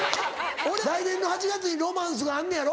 俺来年の８月にロマンスがあんのやろ？